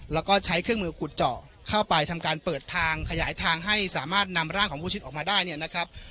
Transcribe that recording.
แล้วก็ใช้เครื่องมือขุดเจาะเข้าไปทำการเปิดทางขยายทางให้สามารถนำร่างของผู้ชิตออกมาได้เนี่ยนะครับ